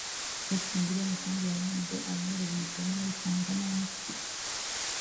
Dr Ngirente kandi yanenze abanyereza imisoro n’abayitanga nabi